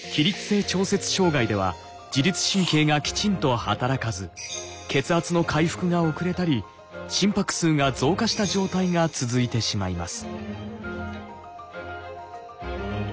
障害では自律神経がきちんと働かず血圧の回復が遅れたり心拍数が増加した状態が続いてしまいます。